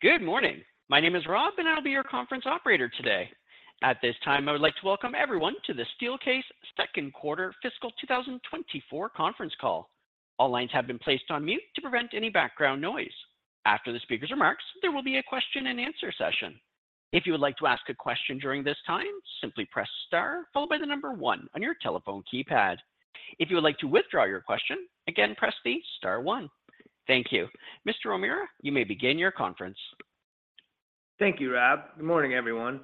Good morning. My name is Rob, and I'll be your conference operator today. At this time, I would like to welcome everyone to the Steelcase second quarter fiscal 2024 conference call. All lines have been placed on mute to prevent any background noise. After the speaker's remarks, there will be a question and answer session. If you would like to ask a question during this time, simply press star, followed by the number one on your telephone keypad. If you would like to withdraw your question, again, press the star one. Thank you. Mr. O'Meara, you may begin your conference. Thank you, Rob. Good morning, everyone.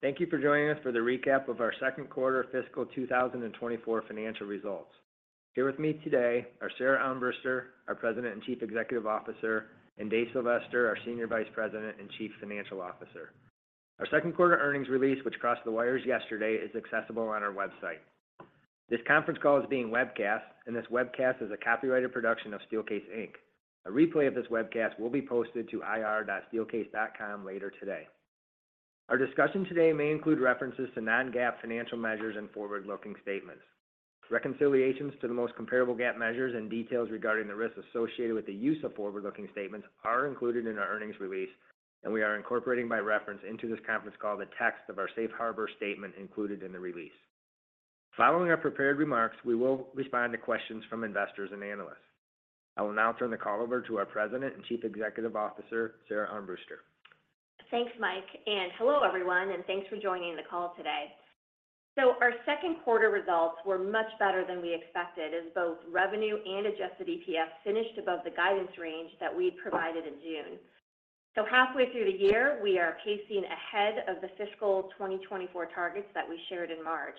Thank you for joining us for the recap of our second quarter fiscal 2024 financial results. Here with me today are Sara Armbruster, our President and Chief Executive Officer, and Dave Sylvester, our Senior Vice President and Chief Financial Officer. Our second quarter earnings release, which crossed the wires yesterday, is accessible on our website. This conference call is being webcast, and this webcast is a copyrighted production of Steelcase Inc. A replay of this webcast will be posted to ir.steelcase.com later today. Our discussion today may include references to non-GAAP financial measures and forward-looking statements. Reconciliations to the most comparable GAAP measures and details regarding the risks associated with the use of forward-looking statements are included in our earnings release, and we are incorporating by reference into this conference call the text of our safe harbor statement included in the release. Following our prepared remarks, we will respond to questions from investors and analysts. I will now turn the call over to our President and Chief Executive Officer, Sara Armbruster. Thanks, Mike, and hello, everyone, and thanks for joining the call today. So our second quarter results were much better than we expected, as both revenue and Adjusted EPS finished above the guidance range that we provided in June. So halfway through the year, we are pacing ahead of the fiscal 2024 targets that we shared in March.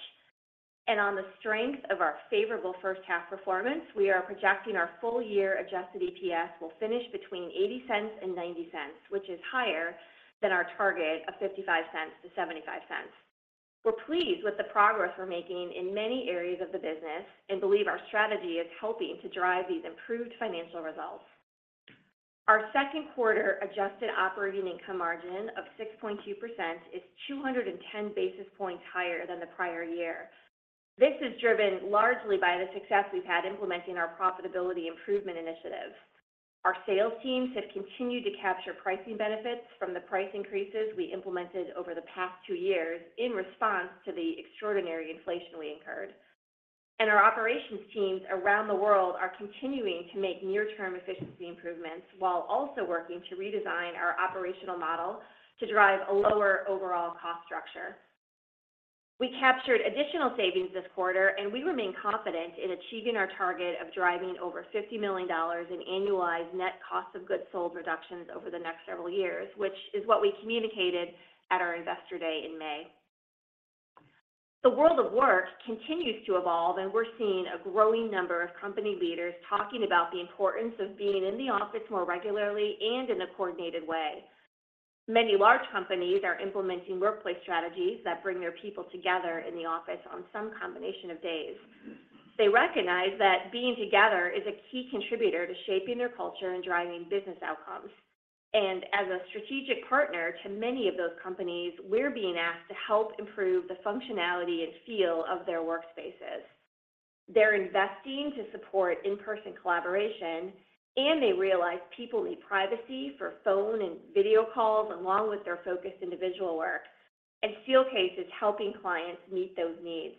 And on the strength of our favorable first half performance, we are projecting our full year Adjusted EPS will finish between $0.80 and $0.90, which is higher than our target of $0.55-$0.75. We're pleased with the progress we're making in many areas of the business and believe our strategy is helping to drive these improved financial results. Our second quarter Adjusted operating income margin of 6.2% is 210 basis points higher than the prior year. This is driven largely by the success we've had implementing our profitability improvement initiative. Our sales teams have continued to capture pricing benefits from the price increases we implemented over the past 2 years in response to the extraordinary inflation we incurred. Our operations teams around the world are continuing to make near-term efficiency improvements while also working to redesign our operational model to drive a lower overall cost structure. We captured additional savings this quarter, and we remain confident in achieving our target of driving over $50 million in annualized net cost of goods sold reductions over the next several years, which is what we communicated at our Investor Day in May. The world of work continues to evolve, and we're seeing a growing number of company leaders talking about the importance of being in the office more regularly and in a coordinated way. Many large companies are implementing workplace strategies that bring their people together in the office on some combination of days. They recognize that being together is a key contributor to shaping their culture and driving business outcomes. As a strategic partner to many of those companies, we're being asked to help improve the functionality and feel of their workspaces. They're investing to support in-person collaboration, and they realize people need privacy for phone and video calls, along with their focused individual work. Steelcase is helping clients meet those needs.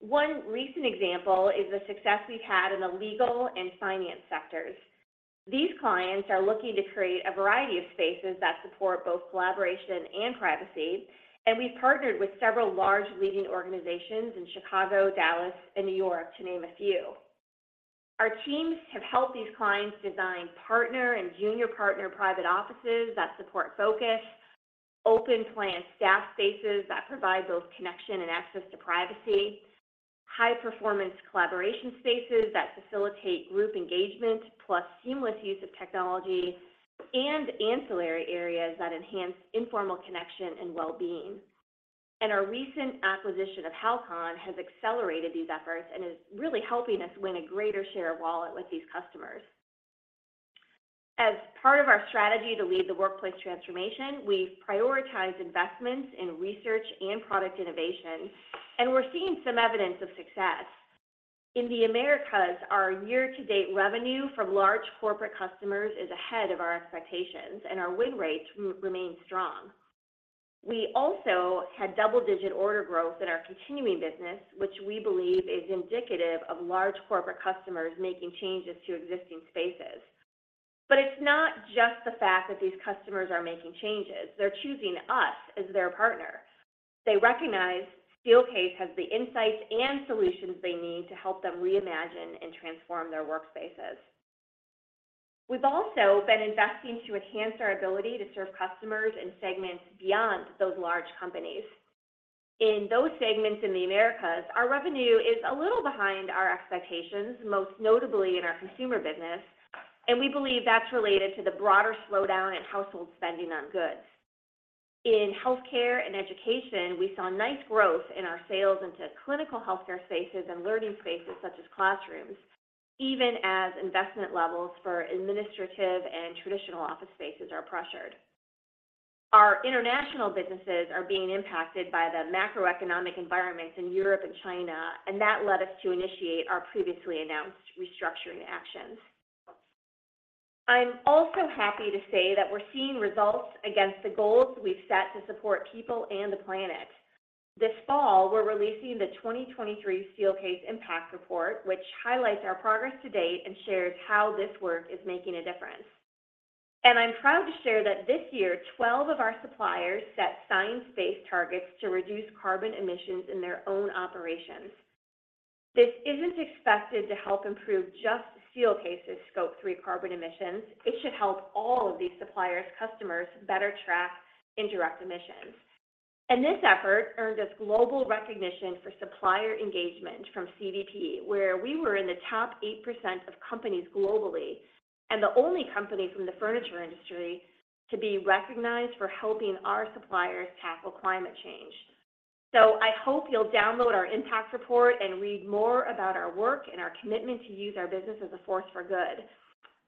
One recent example is the success we've had in the legal and finance sectors. These clients are looking to create a variety of spaces that support both collaboration and privacy, and we've partnered with several large leading organizations in Chicago, Dallas, and New York, to name a few. Our teams have helped these clients design partner and junior partner private offices that support focus, open plan staff spaces that provide both connection and access to privacy, high-performance collaboration spaces that facilitate group engagement, plus seamless use of technology, and ancillary areas that enhance informal connection and well-being. Our recent acquisition of Halcon has accelerated these efforts and is really helping us win a greater share of wallet with these customers. As part of our strategy to lead the workplace transformation, we've prioritized investments in research and product innovation, and we're seeing some evidence of success. In the Americas, our year-to-date revenue from large corporate customers is ahead of our expectations, and our win rates remain strong. We also had double-digit order growth in our continuing business, which we believe is indicative of large corporate customers making changes to existing spaces. It's not just the fact that these customers are making changes. They're choosing us as their partner. They recognize Steelcase has the insights and solutions they need to help them reimagine and transform their workspaces. We've also been investing to enhance our ability to serve customers in segments beyond those large companies. In those segments in the Americas, our revenue is a little behind our expectations, most notably in our consumer business, and we believe that's related to the broader slowdown in household spending on goods. In healthcare and education, we saw nice growth in our sales into clinical healthcare spaces and learning spaces, such as classrooms, even as investment levels for administrative and traditional office spaces are pressured. Our International businesses are being impacted by the macroeconomic environment in Europe and China, and that led us to initiate our previously announced restructuring actions. I'm also happy to say that we're seeing results against the goals we've set to support people and the planet. This fall, we're releasing the 2023 Steelcase Impact Report, which highlights our progress to date and shares how this work is making a difference. And I'm proud to share that this year, 12 of our suppliers set science-based targets to reduce carbon emissions in their own operations. This isn't expected to help improve just Steelcase's Scope 3 carbon emissions. It should help all of these suppliers' customers better track indirect emissions. And this effort earned us global recognition for supplier engagement from CDP, where we were in the top 8% of companies globally, and the only company from the furniture industry to be recognized for helping our suppliers tackle climate change. So I hope you'll download our impact report and read more about our work and our commitment to use our business as a force for good.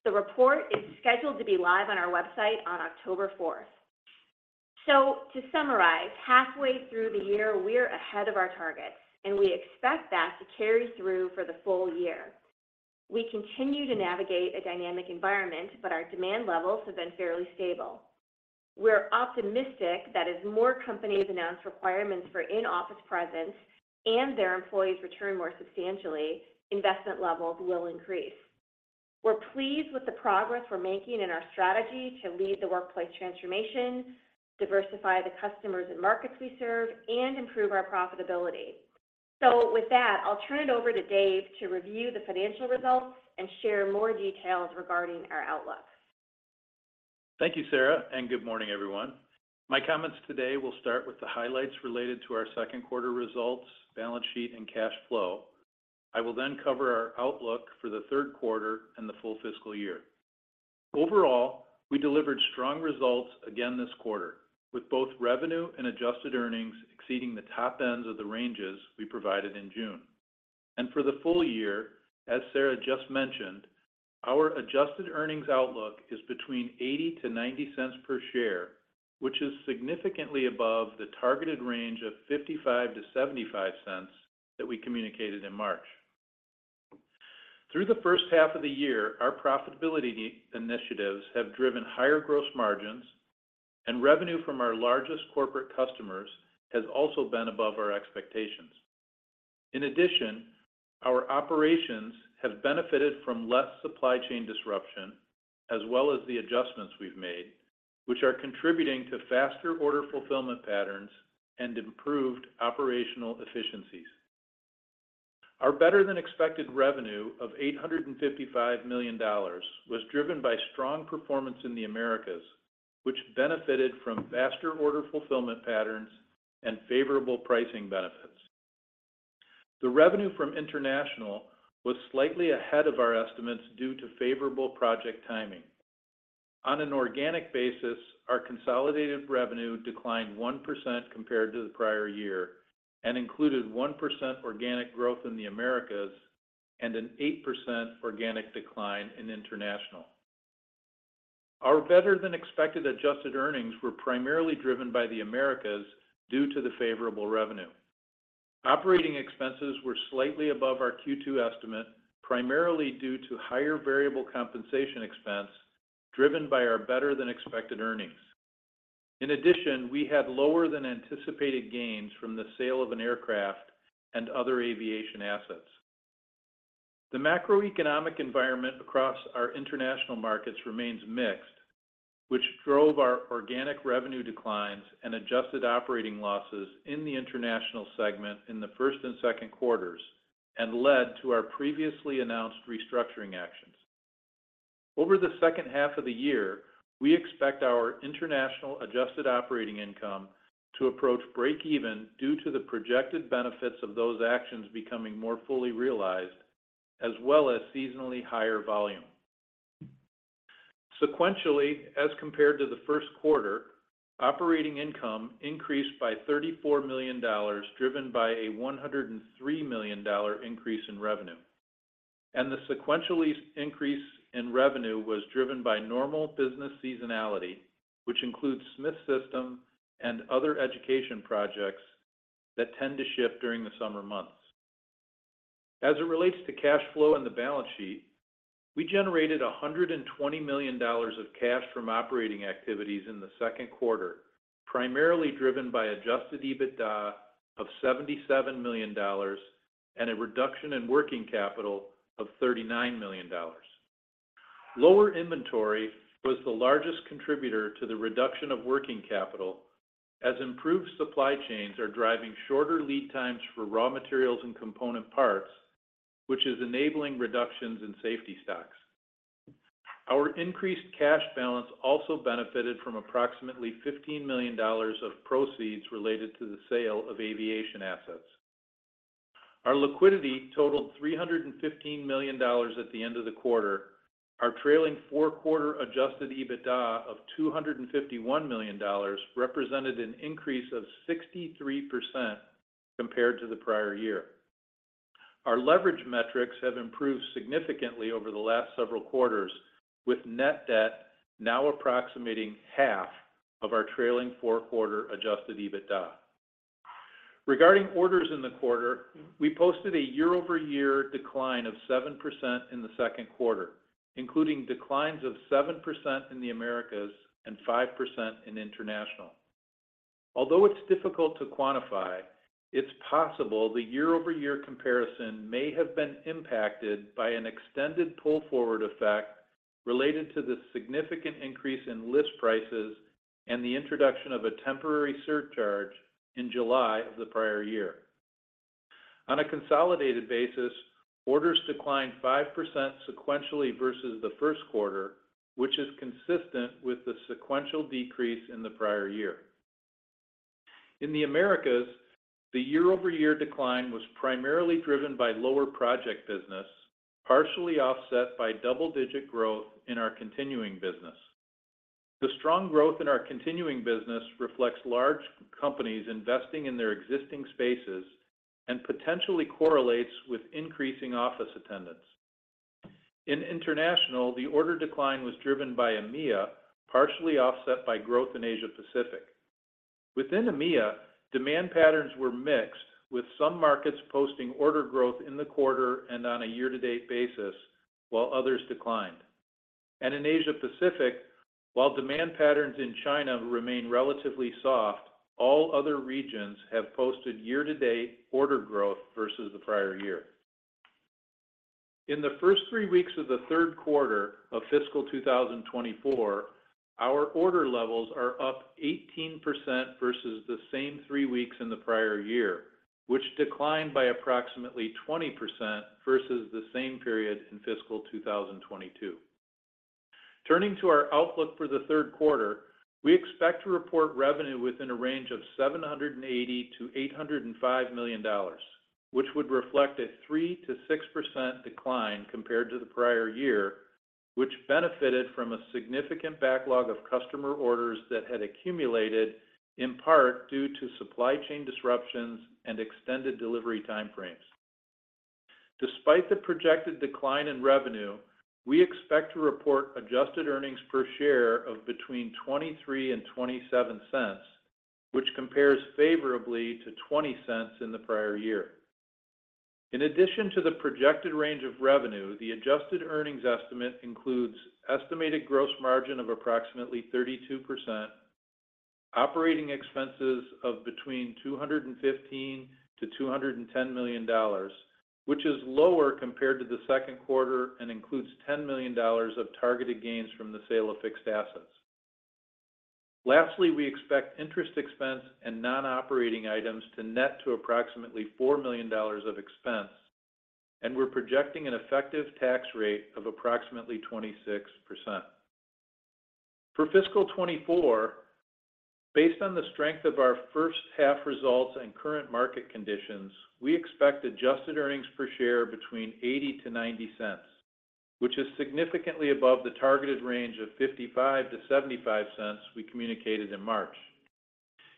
The report is scheduled to be live on our website on October fourth. To summarize, halfway through the year, we're ahead of our targets, and we expect that to carry through for the full year. We continue to navigate a dynamic environment, but our demand levels have been fairly stable. We're optimistic that as more companies announce requirements for in-office presence and their employees return more substantially, investment levels will increase. We're pleased with the progress we're making in our strategy to lead the workplace transformation, diversify the customers and markets we serve, and improve our profitability. With that, I'll turn it over to Dave to review the financial results and share more details regarding our outlook. Thank you, Sara, and good morning, everyone. My comments today will start with the highlights related to our second quarter results, balance sheet, and cash flow. I will then cover our outlook for the third quarter and the full fiscal year. Overall, we delivered strong results again this quarter, with both revenue and adjusted earnings exceeding the top ends of the ranges we provided in June. And for the full year, as Sara just mentioned, our adjusted earnings outlook is between $0.80-$0.90 per share, which is significantly above the targeted range of $0.55-$0.75 that we communicated in March. Through the first half of the year, our profitability initiatives have driven higher gross margins, and revenue from our largest corporate customers has also been above our expectations. In addition, our operations have benefited from less supply chain disruption, as well as the adjustments we've made, which are contributing to faster order fulfillment patterns and improved operational efficiencies. Our better-than-expected revenue of $855 million was driven by strong performance in the Americas, which benefited from faster order fulfillment patterns and favorable pricing benefits. The revenue from International was slightly ahead of our estimates due to favorable project timing. On an organic basis, our consolidated revenue declined 1% compared to the prior year and included 1% organic growth in the Americas and an 8% organic decline in International. Our better-than-expected adjusted earnings were primarily driven by the Americas due to the favorable revenue. Operating expenses were slightly above our Q2 estimate, primarily due to higher variable compensation expense, driven by our better-than-expected earnings. In addition, we had lower-than-anticipated gains from the sale of an aircraft and other aviation assets. The macroeconomic environment across our International markets remains mixed, which drove our organic revenue declines and adjusted operating losses in the International segment in the first and second quarters and led to our previously announced restructuring actions. Over the second half of the year, we expect our International adjusted operating income to approach break even due to the projected benefits of those actions becoming more fully realized, as well as seasonally higher volume. Sequentially, as compared to the first quarter, operating income increased by $34 million, driven by a $103 million increase in revenue. The sequential increase in revenue was driven by normal business seasonality, which includes Smith System and other education projects that tend to shift during the summer months. As it relates to cash flow and the balance sheet, we generated $120 million of cash from operating activities in the second quarter, primarily driven by Adjusted EBITDA of $77 million and a reduction in working capital of $39 million. Lower inventory was the largest contributor to the reduction of working capital, as improved supply chains are driving shorter lead times for raw materials and component parts, which is enabling reductions in safety stocks. Our increased cash balance also benefited from approximately $15 million of proceeds related to the sale of aviation assets. Our liquidity totaled $315 million at the end of the quarter. Our trailing four-quarter Adjusted EBITDA of $251 million represented an increase of 63% compared to the prior year.... Our leverage metrics have improved significantly over the last several quarters, with net debt now approximating half of our trailing four-quarter Adjusted EBITDA. Regarding orders in the quarter, we posted a year-over-year decline of 7% in the second quarter, including declines of 7% in the Americas and 5% in International. Although it's difficult to quantify, it's possible the year-over-year comparison may have been impacted by an extended pull forward effect related to the significant increase in list prices and the introduction of a temporary surcharge in July of the prior year. On a consolidated basis, orders declined 5% sequentially versus the first quarter, which is consistent with the sequential decrease in the prior year. In the Americas, the year-over-year decline was primarily driven by lower project business, partially offset by double-digit growth in our continuing business. The strong growth in our continuing business reflects large companies investing in their existing spaces and potentially correlates with increasing office attendance. In International, the order decline was driven by EMEA, partially offset by growth in Asia Pacific. Within EMEA, demand patterns were mixed, with some markets posting order growth in the quarter and on a year-to-date basis, while others declined. In Asia Pacific, while demand patterns in China remain relatively soft, all other regions have posted year-to-date order growth versus the prior year. In the first three weeks of the third quarter of fiscal 2024, our order levels are up 18% versus the same three weeks in the prior year, which declined by approximately 20% versus the same period in fiscal 2022. Turning to our outlook for the third quarter, we expect to report revenue within a range of $780 million-$805 million, which would reflect a 3%-6% decline compared to the prior year, which benefited from a significant backlog of customer orders that had accumulated, in part due to supply chain disruptions and extended delivery time frames. Despite the projected decline in revenue, we expect to report adjusted earnings per share of between $0.23 and $0.27, which compares favorably to $0.20 in the prior year. In addition to the projected range of revenue, the adjusted earnings estimate includes estimated gross margin of approximately 32%, operating expenses of between $215 million and $210 million, which is lower compared to the second quarter and includes $10 million of targeted gains from the sale of fixed assets. Lastly, we expect interest expense and non-operating items to net to approximately $4 million of expense, and we're projecting an effective tax rate of approximately 26%. For fiscal 2024, based on the strength of our first half results and current market conditions, we expect adjusted earnings per share between $0.80 and $0.90, which is significantly above the targeted range of $0.55-$0.75 we communicated in March.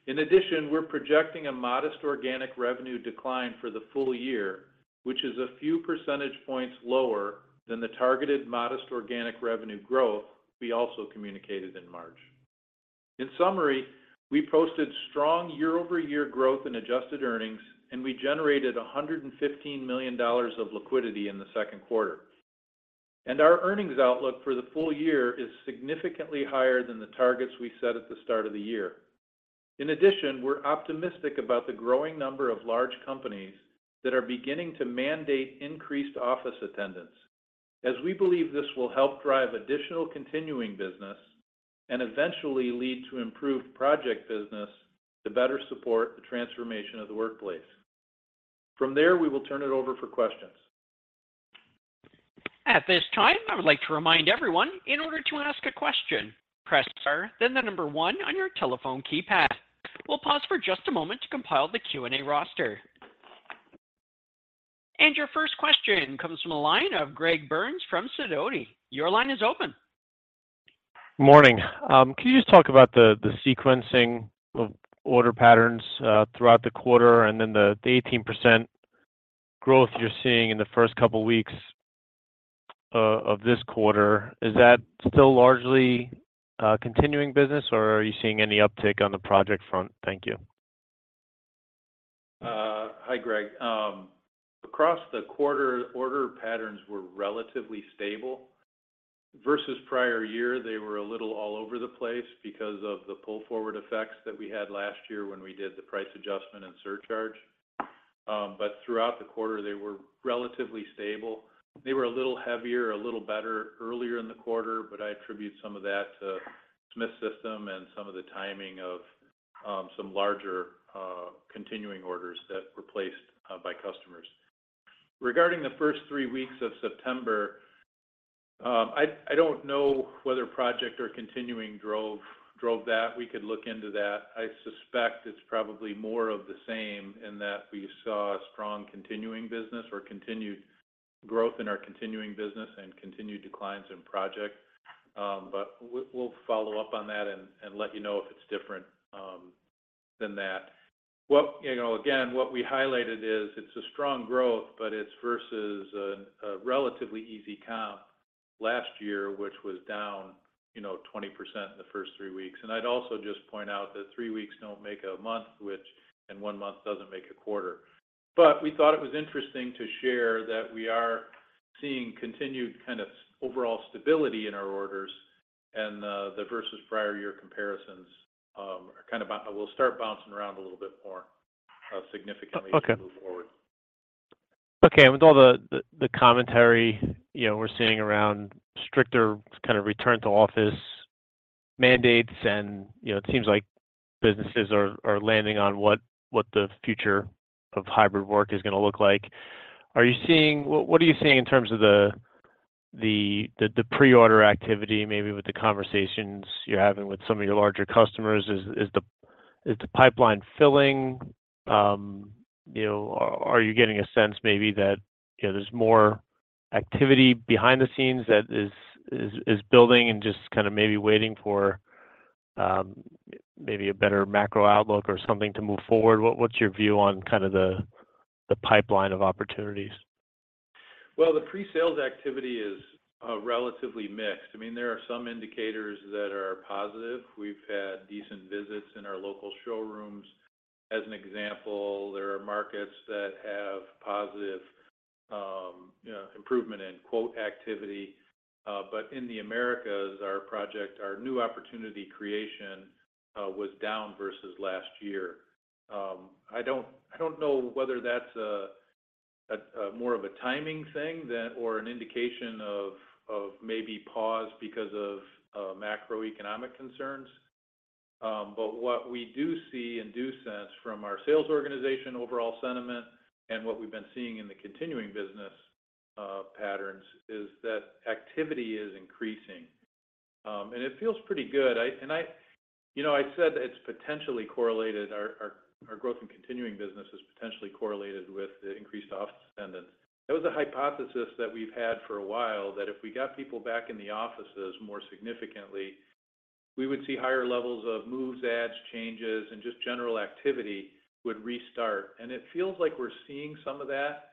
In addition, we're projecting a modest organic revenue decline for the full year, which is a few percentage points lower than the targeted modest organic revenue growth we also communicated in March. In summary, we posted strong year-over-year growth in adjusted earnings, and we generated $115 million of liquidity in the second quarter. Our earnings outlook for the full year is significantly higher than the targets we set at the start of the year. In addition, we're optimistic about the growing number of large companies that are beginning to mandate increased office attendance, as we believe this will help drive additional continuing business and eventually lead to improved Project Business to better support the transformation of the workplace. From there, we will turn it over for questions. At this time, I would like to remind everyone, in order to ask a question, press star, then the number one on your telephone keypad. We'll pause for just a moment to compile the Q&A roster. Your first question comes from the line of Greg Burns from Sidoti. Your line is open. Morning. Can you just talk about the sequencing of order patterns throughout the quarter, and then the 18% growth you're seeing in the first couple weeks of this quarter? Is that still largely continuing business, or are you seeing any uptick on the Project front? Thank you. Hi, Greg. Across the quarter, order patterns were relatively stable. Versus prior year, they were a little all over the place because of the pull-forward effects that we had last year when we did the price adjustment and surcharge. But throughout the quarter, they were relatively stable. They were a little heavier, a little better earlier in the quarter, but I attribute some of that to Smith System and some of the timing of some larger continuing orders that were placed by customers. Regarding the first three weeks of September, I don't know whether project or continuing drove that. We could look into that. I suspect it's probably more of the same, in that we saw a strong continuing business or continued growth in our continuing business and continued declines in project. But we'll follow up on that and let you know if it's different than that. Well, you know, again, what we highlighted is it's a strong growth, but it's versus a relatively easy comp last year, which was down, you know, 20% in the first three weeks. And I'd also just point out that three weeks don't make a month, and one month doesn't make a quarter. But we thought it was interesting to share that we are seeing continued kind of overall stability in our orders, and the versus prior year comparisons are kind of will start bouncing around a little bit more significantly- Okay as we move forward. Okay. And with all the commentary, you know, we're seeing around stricter kind of return to office mandates and, you know, it seems like businesses are landing on what the future of hybrid work is gonna look like. Are you seeing? What are you seeing in terms of the pre-order activity, maybe with the conversations you're having with some of your larger customers? Is the pipeline filling? You know, are you getting a sense maybe that, you know, there's more activity behind the scenes that is building and just kind of maybe waiting for maybe a better macro outlook or something to move forward? What's your view on kind of the pipeline of opportunities? Well, the pre-sales activity is relatively mixed. I mean, there are some indicators that are positive. We've had decent visits in our local showrooms. As an example, there are markets that have positive, you know, improvement in quote activity. But in the Americas, our project, our new opportunity creation, was down versus last year. I don't know whether that's a more of a timing thing than... or an indication of maybe pause because of macroeconomic concerns. But what we do see and do sense from our sales organization overall sentiment and what we've been seeing in the continuing business patterns, is that activity is increasing. And it feels pretty good. You know, I said that it's potentially correlated, our growth in continuing business is potentially correlated with the increased office attendance. That was a hypothesis that we've had for a while, that if we got people back in the offices more significantly, we would see higher levels of moves, adds, changes, and just general activity would restart. It feels like we're seeing some of that.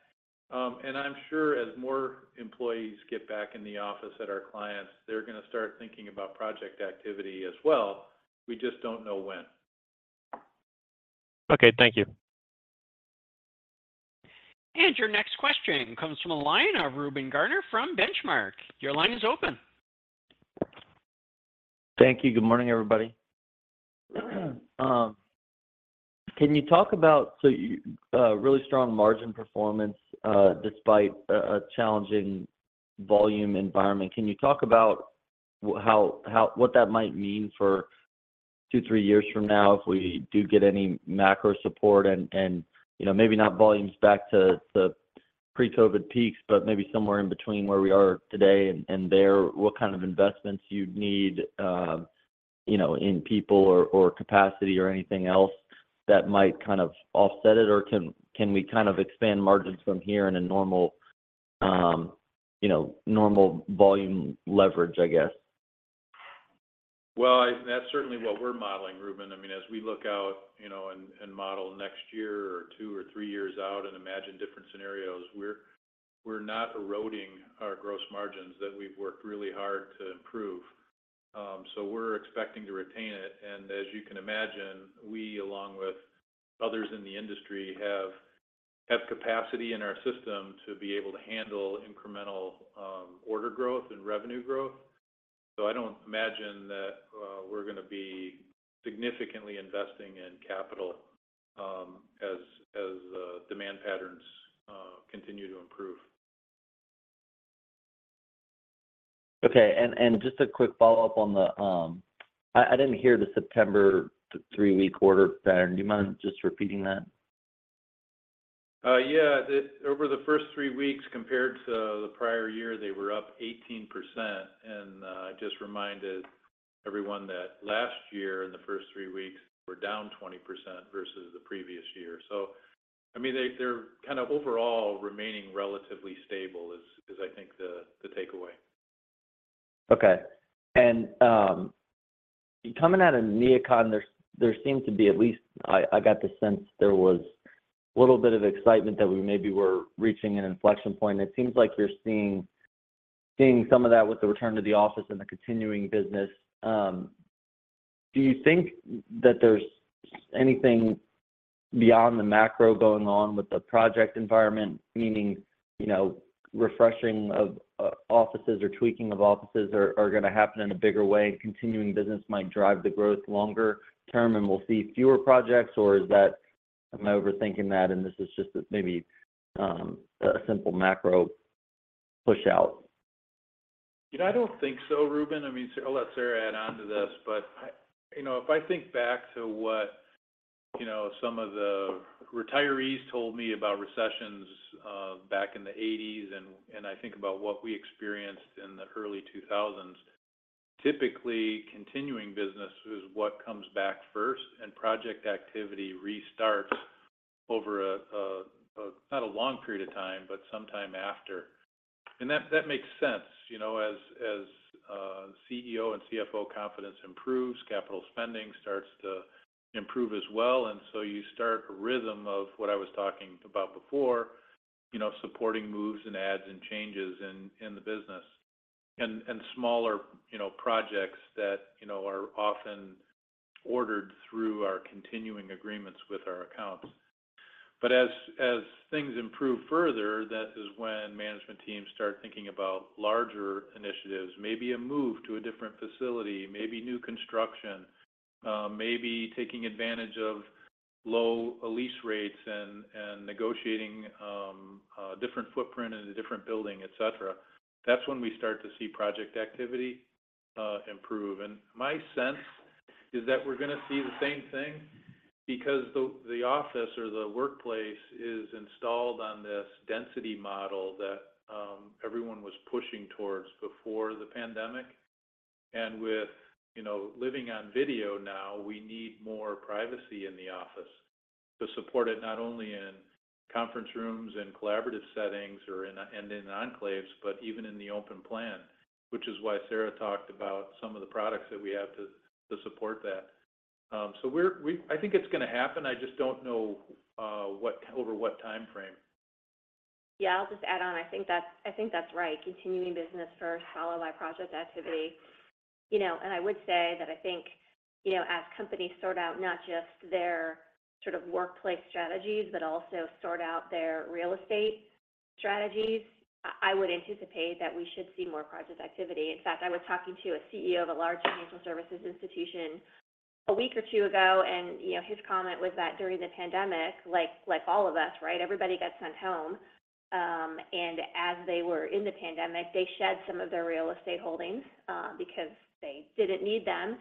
I'm sure as more employees get back in the office at our clients, they're gonna start thinking about project activity as well. We just don't know when. Okay, thank you. Your next question comes from the line of Reuben Garner from Benchmark. Your line is open. Thank you. Good morning, everybody. Can you talk about—so, you really strong margin performance, despite a challenging volume environment. Can you talk about how—what that might mean for two, three years from now, if we do get any macro support and, you know, maybe not volumes back to the pre-COVID peaks, but maybe somewhere in between where we are today and there? What kind of investments you'd need, you know, in people or capacity or anything else that might kind of offset it? Or can we kind of expand margins from here in a normal, you know, normal volume leverage, I guess? Well, that's certainly what we're modeling, Reuben. I mean, as we look out, you know, and model next year or two or three years out and imagine different scenarios, we're not eroding our gross margins that we've worked really hard to improve. So we're expecting to retain it, and as you can imagine, we, along with others in the industry, have capacity in our system to be able to handle incremental order growth and revenue growth. So I don't imagine that we're gonna be significantly investing in capital as demand patterns continue to improve. Okay, and just a quick follow-up on the, I didn't hear the September, the three-week order pattern. Do you mind just repeating that? Yeah. Over the first three weeks compared to the prior year, they were up 18%, and I just reminded everyone that last year, in the first three weeks, were down 20% versus the previous year. So I mean, they're kind of overall remaining relatively stable, is I think the takeaway. Okay. And, coming out of NeoCon, there seemed to be, at least I got the sense there was a little bit of excitement that we maybe were reaching an inflection point, and it seems like we're seeing some of that with the return to the office and the continuing business. Do you think that there's anything beyond the macro going on with the project environment? Meaning, you know, refreshing of offices or tweaking of offices are gonna happen in a bigger way, and continuing business might drive the growth longer term, and we'll see fewer projects, or is that... Am I overthinking that, and this is just maybe a simple macro push out? You know, I don't think so, Reuben. I mean, I'll let Sara add on to this, but I... You know, if I think back to what, you know, some of the retirees told me about recessions back in the '80s, and I think about what we experienced in the early 2000s, typically, continuing business is what comes back first, and project activity restarts over a not a long period of time, but sometime after. That makes sense. You know, as CEO and CFO confidence improves, capital spending starts to improve as well. So you start a rhythm of what I was talking about before, you know, supporting moves and adds and changes in the business. And smaller projects that are often ordered through our continuing agreements with our accounts. But as things improve further, that is when management teams start thinking about larger initiatives, maybe a move to a different facility, maybe new construction, maybe taking advantage of low lease rates and negotiating different footprint in a different building, et cetera. That's when we start to see project activity improve. And my sense is that we're gonna see the same thing because the office or the workplace is installed on this density model that everyone was pushing towards before the pandemic. And with, you know, living on video now, we need more privacy in the office to support it, not only in conference rooms and collaborative settings or in and in enclaves, but even in the open plan. Which is why Sara talked about some of the products that we have to support that. So we're-- we... I think it's gonna happen. I just don't know over what timeframe. Yeah, I'll just add on. I think that's right, continuing business first, followed by project activity. You know, and I would say that I think, you know, as companies sort out not just their sort of workplace strategies, but also sort out their real estate strategies, I would anticipate that we should see more project activity. In fact, I was talking to a CEO of a large financial services institution a week or two ago, and, you know, his comment was that during the pandemic, like all of us, right, everybody got sent home. And as they were in the pandemic, they shed some of their real estate holdings, because they didn't need them.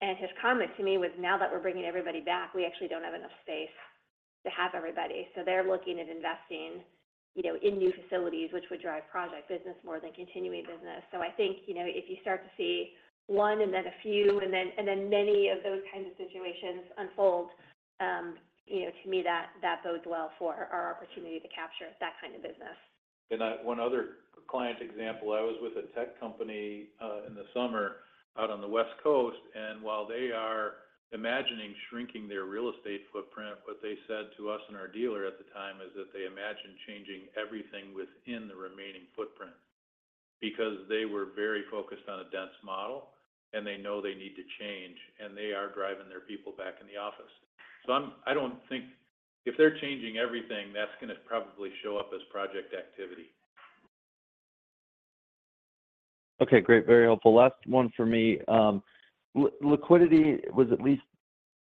His comment to me was, "Now that we're bringing everybody back, we actually don't have enough space to have everybody." So they're looking at investing, you know, in new facilities, which would drive project business more than continuing business. So I think, you know, if you start to see one and then a few, and then, and then many of those kinds of situations unfold, you know, to me, that, that bodes well for our opportunity to capture that kind of business. One other client example, I was with a tech company in the summer out on the West Coast, and while they are imagining shrinking their real estate footprint, what they said to us and our dealer at the time is that they imagine changing everything within the remaining footprint. Because they were very focused on a dense model, and they know they need to change, and they are driving their people back in the office. I'm—I don't think... If they're changing everything, that's gonna probably show up as project activity. Okay, great. Very helpful. Last one for me. Liquidity was at least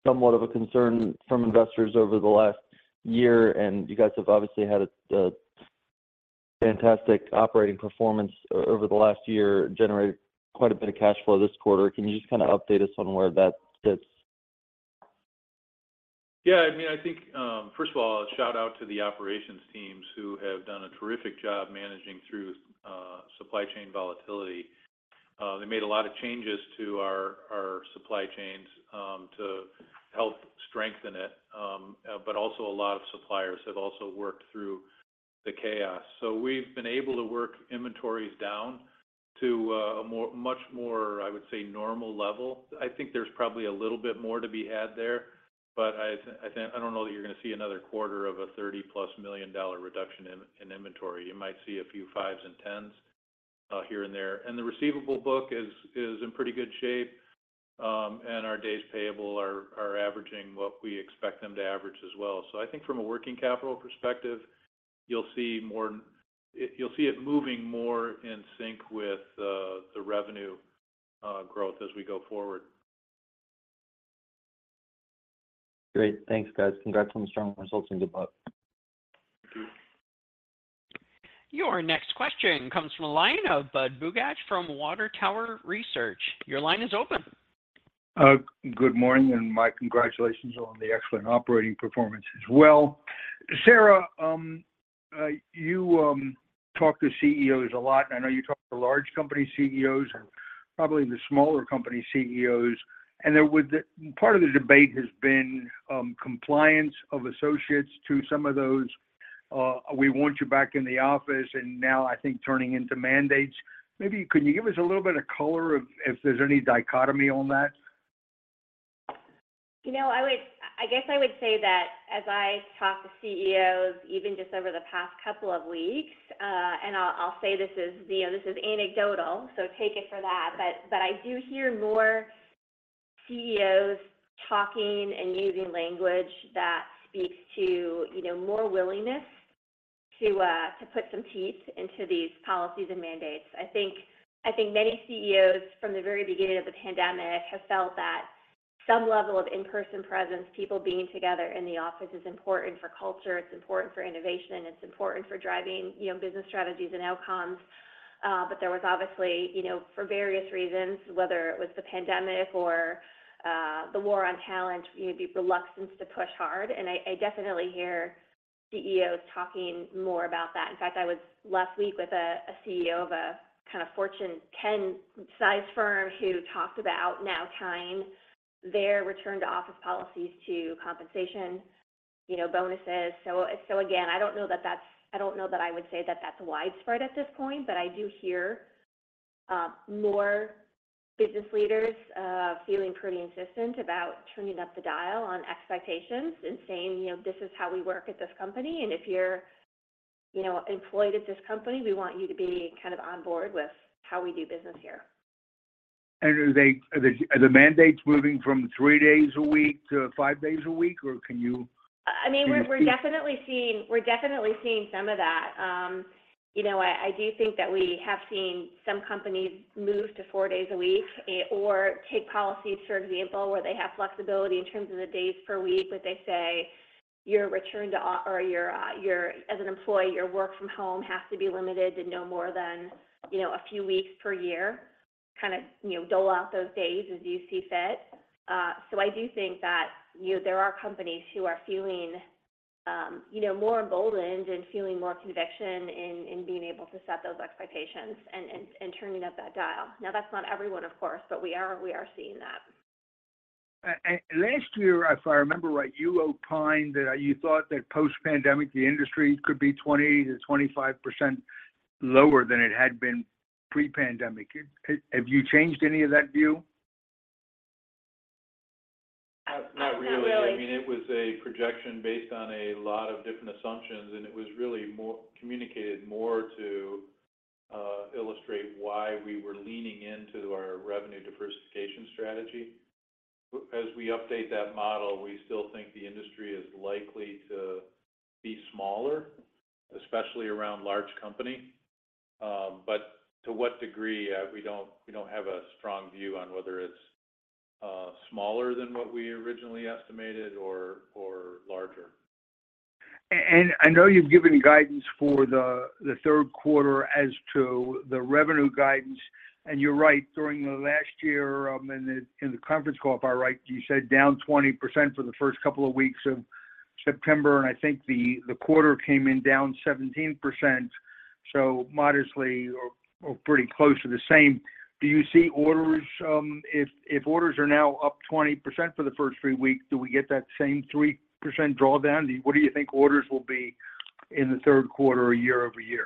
somewhat of a concern from investors over the last year, and you guys have obviously had a fantastic operating performance over the last year, generated quite a bit of cash flow this quarter. Can you just kinda update us on where that sits? Yeah, I mean, I think, first of all, a shout-out to the operations teams, who have done a terrific job managing through, supply chain volatility. They made a lot of changes to our, our supply chains, to help strengthen it. But also a lot of suppliers have also worked through the chaos. So we've been able to work inventories down to a, a more, much more, I would say, normal level. I think there's probably a little bit more to be had there, but I don't know that you're gonna see another quarter of a $30+ million reduction in, in inventory. You might see a few fives and tens, here and there. And the receivable book is, is in pretty good shape, and our days payable are, are averaging what we expect them to average as well. So I think from a working capital perspective, you'll see more... You'll see it moving more in sync with the revenue growth as we go forward. Great. Thanks, guys. Congrats on the strong results and good luck. Thank you. Your next question comes from the line of Budd Bugatch from Water Tower Research. Your line is open. Good morning, and my congratulations on the excellent operating performance as well. Sara, you talk to CEOs a lot, and I know you talk to large company CEOs and probably the smaller company CEOs, and part of the debate has been compliance of associates to some of those "We want you back in the office," and now I think turning into mandates. Maybe could you give us a little bit of color of if there's any dichotomy on that? You know, I would-- I guess I would say that as I talk to CEOs, even just over the past couple of weeks, and I'll say this is, you know, this is anecdotal, so take it for that. But I do hear more CEOs talking and using language that speaks to, you know, more willingness to put some teeth into these policies and mandates. I think many CEOs from the very beginning of the pandemic have felt that some level of in-person presence, people being together in the office, is important for culture, it's important for innovation, it's important for driving, you know, business strategies and outcomes. There was obviously, you know, for various reasons, whether it was the pandemic or the war on talent, the reluctance to push hard. I definitely hear-... CEOs talking more about that. In fact, I was last week with a CEO of a kind of Fortune 10-sized firm who talked about now tying their return to office policies to compensation, you know, bonuses. So again, I don't know that that's—I don't know that I would say that that's widespread at this point, but I do hear more business leaders feeling pretty insistent about turning up the dial on expectations and saying: "You know, this is how we work at this company, and if you're, you know, employed at this company, we want you to be kind of on board with how we do business here. Are the mandates moving from three days a week to five days a week, or can you see? I mean, we're definitely seeing, we're definitely seeing some of that. You know, I do think that we have seen some companies move to four days a week, or take policies, for example, where they have flexibility in terms of the days per week. They say, "Your return to o- or your, your... as an employee, your work from home has to be limited to no more than, you know, a few weeks per year. Kind of, you know, dole out those days as you see fit." I do think that, you, there are companies who are feeling, you know, more emboldened and feeling more conviction in being able to set those expectations and turning up that dial. Now, that's not everyone, of course, but we are, we are seeing that. And last year, if I remember right, you opined that you thought that post-pandemic, the industry could be 20%-25% lower than it had been pre-pandemic. Have you changed any of that view? Not, not really. Not really. I mean, it was a projection based on a lot of different assumptions, and it was really more, communicated more to illustrate why we were leaning into our revenue diversification strategy. As we update that model, we still think the industry is likely to be smaller, especially around large company. I mean, to what degree? We don't, we don't have a strong view on whether it's smaller than what we originally estimated or larger. And I know you've given guidance for the third quarter as to the revenue guidance, and you're right. During the last year, in the conference call, if I'm right, you said down 20% for the first couple of weeks of September, and I think the quarter came in down 17%, so modestly or pretty close to the same. Do you see orders, if orders are now up 20% for the first three weeks, do we get that same 3% drawdown? Do you—what do you think orders will be in the third quarter, year-over-year?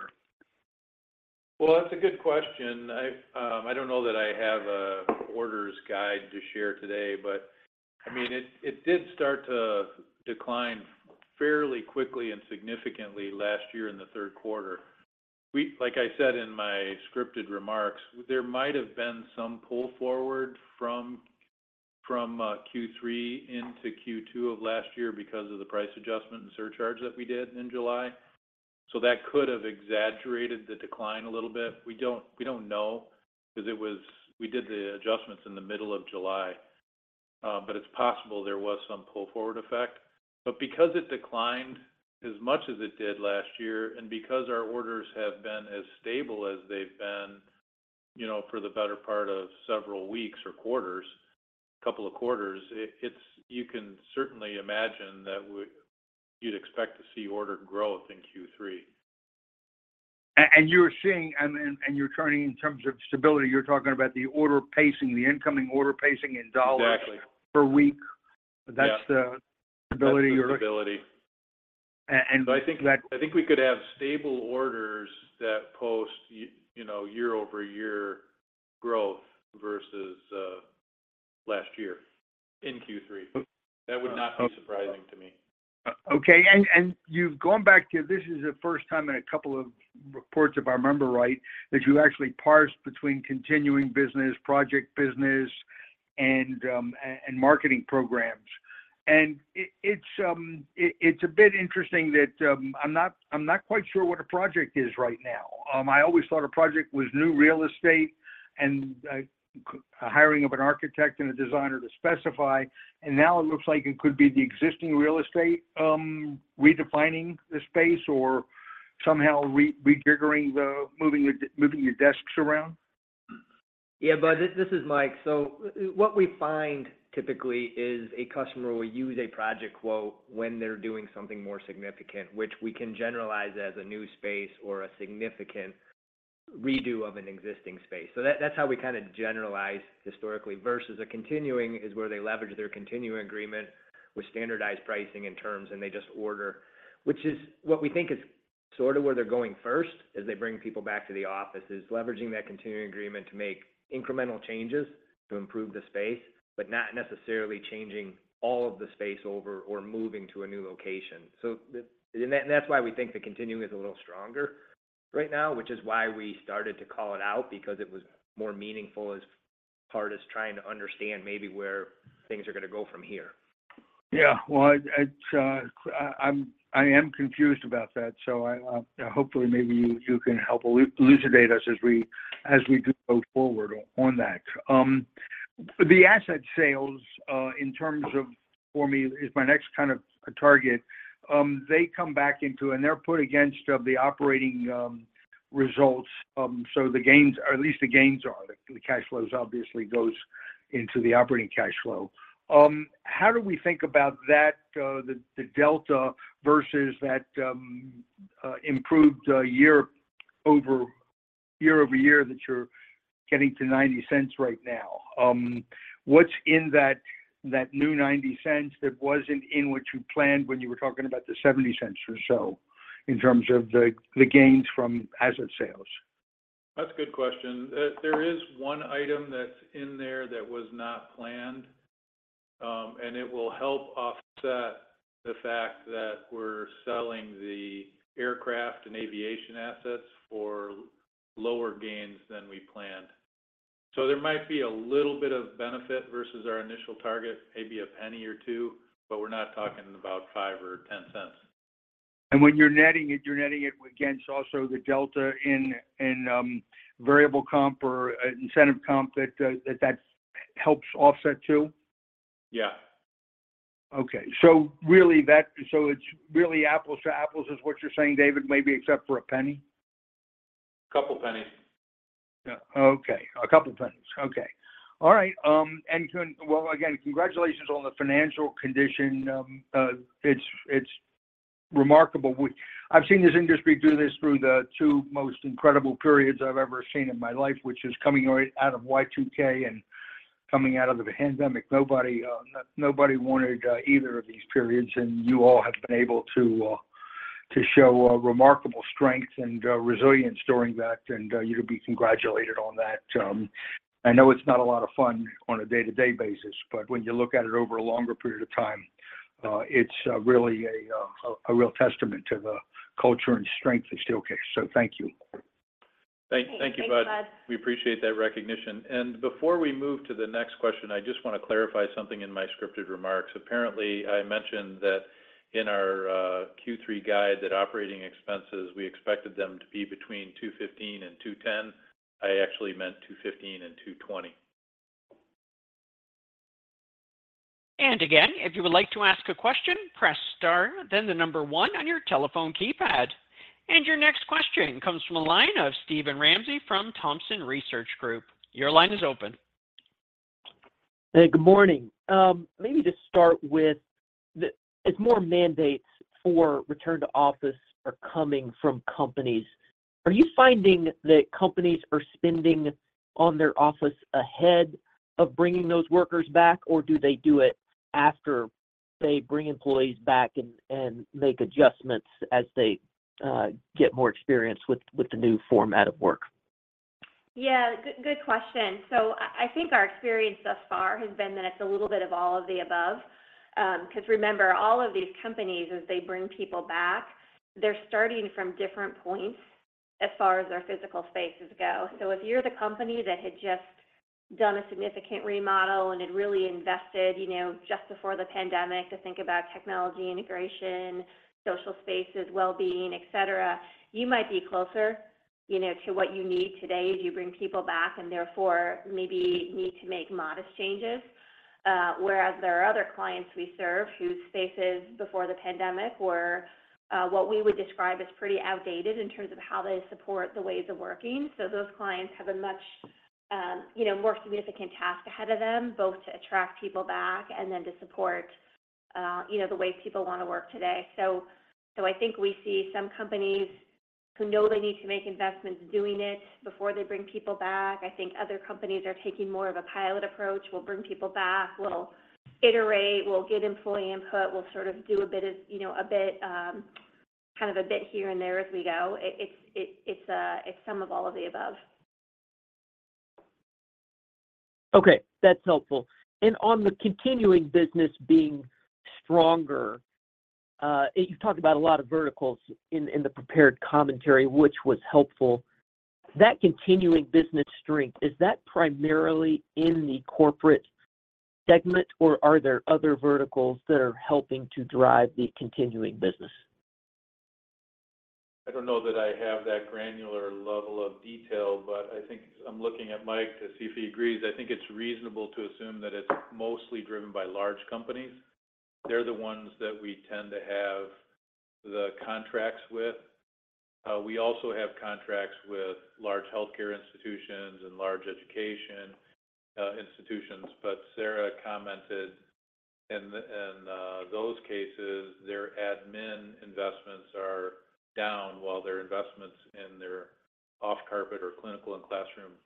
Well, that's a good question. I don't know that I have a orders guide to share today, but I mean, it did start to decline fairly quickly and significantly last year in the third quarter. Like I said in my scripted remarks, there might have been some pull forward from Q3 into Q2 of last year because of the price adjustment and surcharge that we did in July. That could have exaggerated the decline a little bit. We don't know, because it was... We did the adjustments in the middle of July, but it's possible there was some pull forward effect. But because it declined as much as it did last year, and because our orders have been as stable as they've been, you know, for the better part of several weeks or quarters, a couple of quarters, you can certainly imagine that you'd expect to see order growth in Q3. And you're seeing and you're turning in terms of stability, you're talking about the order pacing, the incoming order pacing in dollars- Exactly per week. Yeah. That's the stability you're- That's the stability. A- and- But I think, I think we could have stable orders that post, you know, year-over-year growth versus last year in Q3. Oop. That would not be surprising to me. Okay, you've gone back to... This is the first time in a couple of reports, if I remember right, that you actually parsed between continuing business, project business, and marketing programs. It's a bit interesting that I'm not quite sure what a project is right now. I always thought a project was new real estate and a hiring of an architect and a designer to specify, and now it looks like it could be the existing real estate, redefining the space or somehow reconfiguring, moving your desks around. Yeah, Budd, this is Mike. What we find typically is a customer will use a project quote when they're doing something more significant, which we can generalize as a new space or a significant redo of an existing space. That's how we kinda generalize historically, versus a continuing is where they leverage their continuing agreement with standardized pricing and terms, and they just order, which is what we think is sorta where they're going first, as they bring people back to the office, is leveraging that continuing agreement to make incremental changes to improve the space, but not necessarily changing all of the space over or moving to a new location. So that's why we think the continuing is a little stronger right now, which is why we started to call it out, because it was more meaningful as part of trying to understand maybe where things are gonna go from here. Yeah, well, it's, I'm, I am confused about that, so I, hopefully, maybe you, you can help elucidate us as we, as we do go forward on that. The asset sales, in terms of, for me, is my next kind of target. They come back into... And they're put against, the operating, results. So the gains, or at least the gains are, the, the cash flows obviously goes into the operating cash flow. How do we think about that, the, the delta versus that, improved, year-over-year that you're getting to $0.90 right now? What's in that, that new $0.90 that wasn't in what you planned when you were talking about the $0.70 or so, in terms of the, the gains from asset sales? That's a good question. There is one item that's in there that was not planned, and it will help offset the fact that we're selling the aircraft and aviation assets for lower gains than we planned. So there might be a little bit of benefit versus our initial target, maybe $0.01 or $0.02, but we're not talking about $0.05 or $0.10. When you're netting it, you're netting it against also the delta in variable comp or incentive comp that helps offset too? Yeah. Okay. So it's really apples to apples, is what you're saying, David, maybe except for a penny? Couple pennies. Yeah. Okay. A couple pennies. Okay. All right, well, again, congratulations on the financial condition. It's remarkable. I've seen this industry do this through the two most incredible periods I've ever seen in my life, which is coming out of Y2K and coming out of the pandemic. Nobody wanted either of these periods, and you all have been able to show remarkable strength and resilience during that, and you're to be congratulated on that. I know it's not a lot of fun on a day-to-day basis, but when you look at it over a longer period of time, it's really a real testament to the culture and strength of Steelcase. So thank you. Thank- Thanks. Thank you, Budd. We appreciate that recognition. Before we move to the next question, I just want to clarify something in my scripted remarks. Apparently, I mentioned that in our Q3 guide, that operating expenses, we expected them to be between $215 and $210. I actually meant $215 and $220. And again, if you would like to ask a question, press Star, then the number one on your telephone keypad. And your next question comes from a line of Steven Ramsey from Thompson Research Group. Your line is open. Hey, good morning. Maybe to start with the... As more mandates for return to office are coming from companies, are you finding that companies are spending on their office ahead of bringing those workers back, or do they do it after they bring employees back and, and make adjustments as they, get more experience with, with the new format of work? Yeah, good, good question. So I, I think our experience thus far has been that it's a little bit of all of the above. 'Cause remember, all of these companies, as they bring people back, they're starting from different points as far as their physical spaces go. So if you're the company that had just done a significant remodel and had really invested, you know, just before the pandemic to think about technology integration, social spaces, well-being, et cetera, you might be closer, you know, to what you need today as you bring people back, and therefore maybe need to make modest changes. Whereas there are other clients we serve whose spaces before the pandemic were what we would describe as pretty outdated in terms of how they support the ways of working. Those clients have a much, you know, more significant task ahead of them, both to attract people back and then to support, you know, the way people want to work today. I think we see some companies who know they need to make investments, doing it before they bring people back. I think other companies are taking more of a pilot approach. We'll bring people back, we'll iterate, we'll get employee input, we'll sort of do a bit of, you know, a bit, kind of a bit here and there as we go. It's some of all of the above. Okay, that's helpful. And on the continuing business being stronger, you've talked about a lot of verticals in the prepared commentary, which was helpful. That continuing business strength, is that primarily in the corporate segment, or are there other verticals that are helping to drive the continuing business? I don't know that I have that granular level of detail, but I think... I'm looking at Mike to see if he agrees. I think it's reasonable to assume that it's mostly driven by large companies. They're the ones that we tend to have the contracts with. We also have contracts with large healthcare institutions and large education institutions. But Sara commented, in those cases, their admin investments are down, while their investments in their off-carpet or clinical and classroom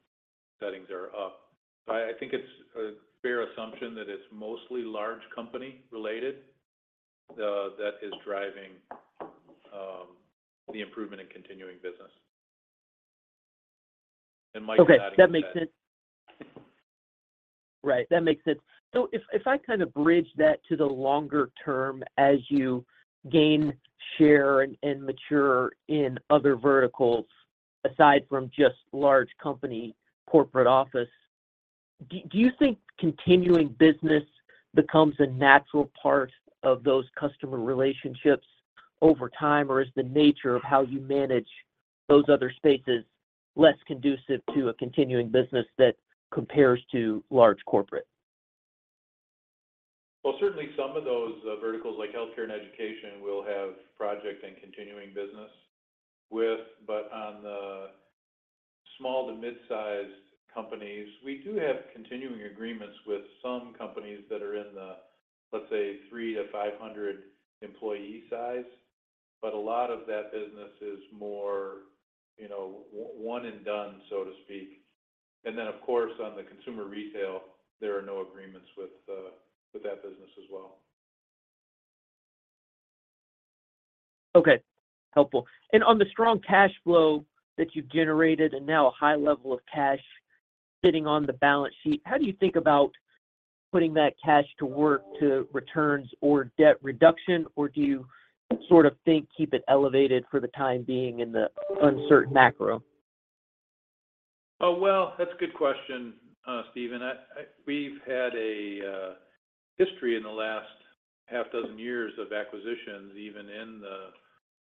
settings are up. I, I think it's a fair assumption that it's mostly large company related, that is driving the improvement in continuing business. And Mike- Okay, that makes sense. Right, that makes sense. So if, if I kind of bridge that to the longer term, as you gain share and, and mature in other verticals, aside from just large company corporate office, do, do you think continuing business becomes a natural part of those customer relationships over time? Or is the nature of how you manage those other spaces less conducive to a continuing business that compares to large corporate? Well, certainly some of those verticals like healthcare and education, we'll have project and continuing business with. On the small to mid-sized companies, we do have continuing agreements with some companies that are in the, let's say, 300-500 employee size. A lot of that business is more, you know, one and done, so to speak. Of course, on the consumer retail, there are no agreements with that business as well. Okay, helpful. And on the strong cash flow that you've generated, and now a high level of cash sitting on the balance sheet, how do you think about putting that cash to work to returns or debt reduction? Or do you sort of think, keep it elevated for the time being in the uncertain macro? Oh, well, that's a good question, Steven. I- we've had a history in the last half dozen years of acquisitions, even in the...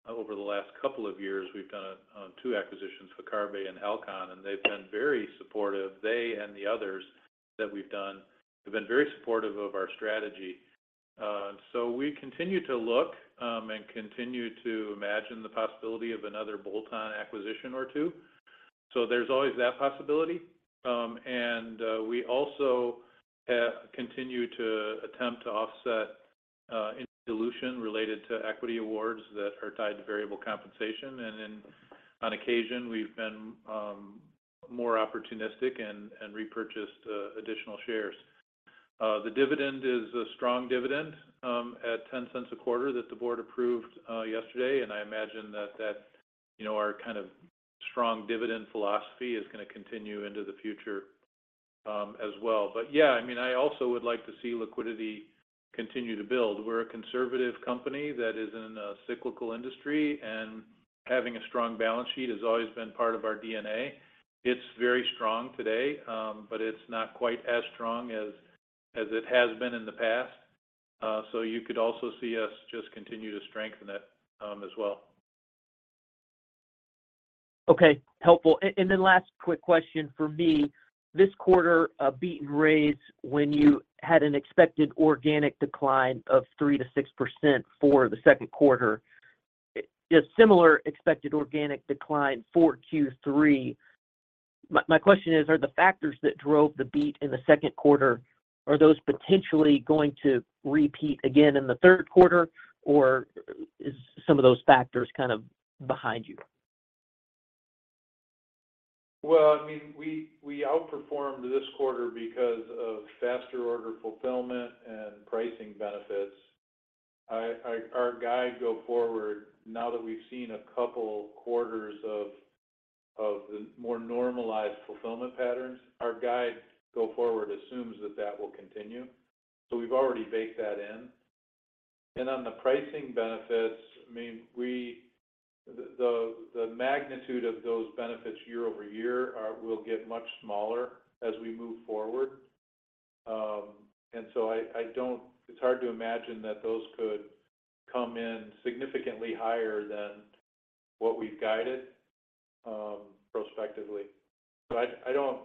Over the last couple of years, we've done two acquisitions, Viccarbe and Halcon, and they've been very supportive. They and the others that we've done have been very supportive of our strategy. So we continue to look, and continue to imagine the possibility of another bolt-on acquisition or two. So there's always that possibility. And, we also continue to attempt to offset any dilution related to equity awards that are tied to variable compensation, and then on occasion, we've been more opportunistic and repurchased additional shares. The dividend is a strong dividend at $0.10 a quarter that the board approved yesterday, and I imagine that that, you know, our kind of strong dividend philosophy is gonna continue into the future as well. But yeah, I mean, I also would like to see liquidity continue to build. We're a conservative company that is in a cyclical industry, and having a strong balance sheet has always been part of our DNA. It's very strong today, but it's not quite as strong as it has been in the past. So you could also see us just continue to strengthen it as well. Okay. Helpful. And then last quick question for me. This quarter, a beat and raise, when you had an expected organic decline of 3%-6% for the second quarter, a similar expected organic decline for Q3. My question is, are the factors that drove the beat in the second quarter, are those potentially going to repeat again in the third quarter, or is some of those factors kind of behind you? Well, I mean, we outperformed this quarter because of faster order fulfillment and pricing benefits. Our guidance going forward, now that we've seen a couple quarters of the more normalized fulfillment patterns, our guidance going forward assumes that that will continue, so we've already baked that in. And on the pricing benefits, I mean, the magnitude of those benefits year-over-year will get much smaller as we move forward. And so I don't—It's hard to imagine that those could come in significantly higher than what we've guided, prospectively. So I don't...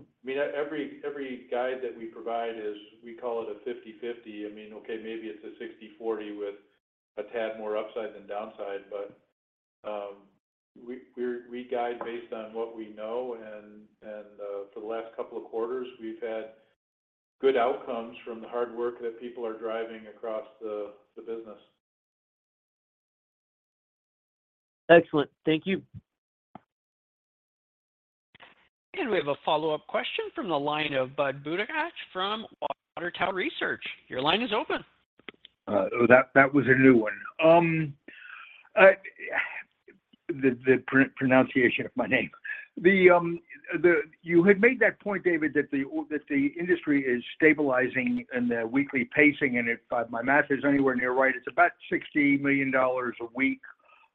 I mean, every guidance that we provide is, we call it a 50/50. I mean, okay, maybe it's a 60/40 with a tad more upside than downside, but we guide based on what we know, and for the last couple of quarters, we've had good outcomes from the hard work that people are driving across the business. Excellent. Thank you. We have a follow-up question from the line of Budd Bugatch from Water Tower Research. Your line is open. Oh, that was a new one. The pronunciation of my name. You had made that point, David, that the industry is stabilizing in the weekly pacing, and if my math is anywhere near right, it's about $60 million a week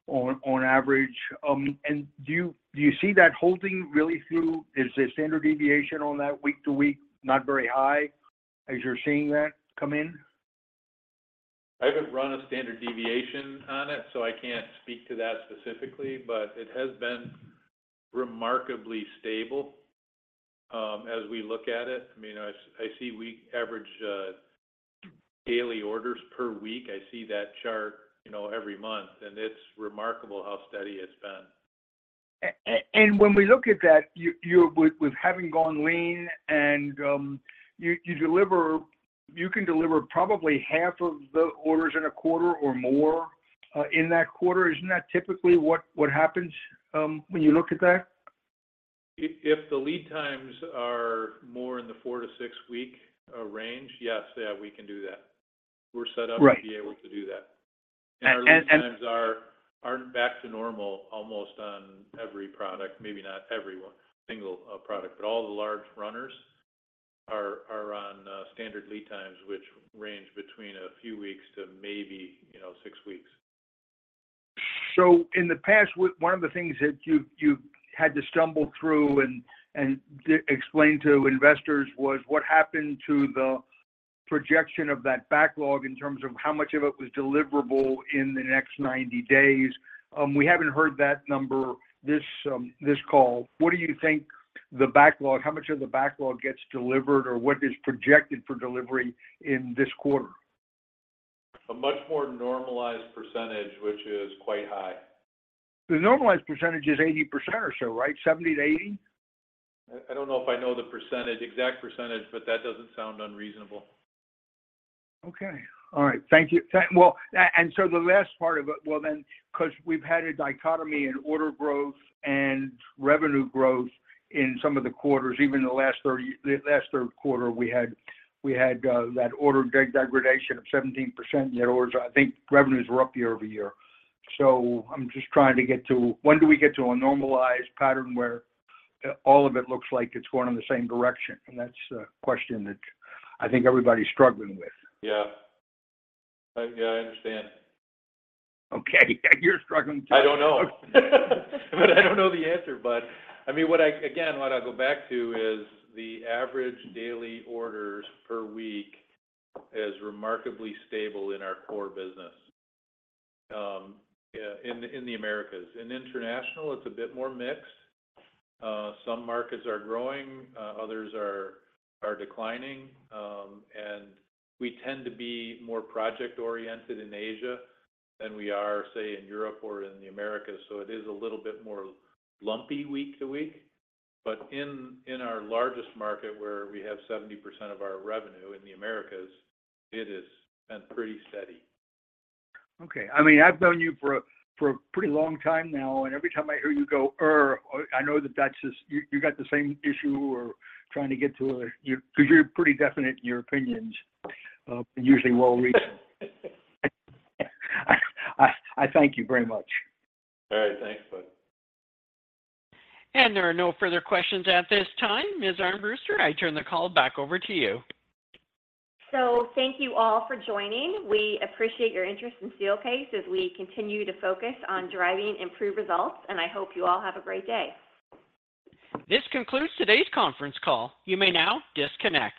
on average. And do you see that holding really through? Is the standard deviation on that week to week not very high as you're seeing that come in? I haven't run a standard deviation on it, so I can't speak to that specifically, but it has been remarkably stable as we look at it. I mean, I see we average daily orders per week. I see that chart, you know, every month, and it's remarkable how steady it's been. When we look at that, you, you're with having gone lean and you can deliver probably half of the orders in a quarter or more in that quarter. Isn't that typically what happens when you look at that? If, if the lead times are more in the 4- to 6-week range, yes, yeah, we can do that. We're set up- Right... to be able to do that. And, and, and- Our lead times are back to normal almost on every product. Maybe not every one, single, product, but all the large runners are on standard lead times, which range between a few weeks to maybe, you know, six weeks. So in the past, one of the things that you had to stumble through and explain to investors was what happened to the projection of that backlog in terms of how much of it was deliverable in the next 90 days. We haven't heard that number this call. What do you think?... the backlog, how much of the backlog gets delivered, or what is projected for delivery in this quarter? A much more normalized percentage, which is quite high. The normalized percentage is 80% or so, right? 70%-80%? I don't know if I know the percentage, exact percentage, but that doesn't sound unreasonable. Okay. All right. Thank you. Well, and so the last part of it, well, then, 'cause we've had a dichotomy in order growth and revenue growth in some of the quarters, even the last thirty, the last third quarter, we had, we had, that order degradation of 17%, yet orders, I think revenues were up year-over-year. So I'm just trying to get to, when do we get to a normalized pattern where, all of it looks like it's going in the same direction? And that's a question that I think everybody's struggling with. Yeah. Yeah, I understand. Okay, you're struggling, too. I don't know. But I don't know the answer, but, I mean, what I... Again, what I go back to is the average daily orders per week is remarkably stable in our core business, in the Americas. In International, it's a bit more mixed. Some markets are growing, others are declining. And we tend to be more project-oriented in Asia than we are, say, in Europe or in the Americas, so it is a little bit more lumpy week to week. But in our largest market, where we have 70% of our revenue in the Americas, it has been pretty steady. Okay. I mean, I've known you for a pretty long time now, and every time I hear you go, "Er," I know that that's just you got the same issue or trying to get to a... 'cause you're pretty definite in your opinions, usually well-reasoned. I thank you very much. All right. Thanks, Budd. There are no further questions at this time. Ms. Armbruster, I turn the call back over to you. Thank you all for joining. We appreciate your interest in Steelcase as we continue to focus on driving improved results, and I hope you all have a great day. This concludes today's conference call. You may now disconnect.